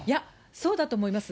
そうだと思います。